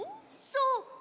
そう！